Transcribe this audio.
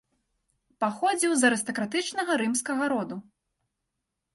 Паходзіў з арыстакратычнага рымскага роду.